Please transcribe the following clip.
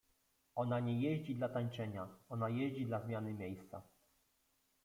Ona nie jeździ dla tańczenia, ona jeździ dla zmiany miejsca.